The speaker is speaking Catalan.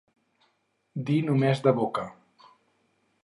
Dir només de boca.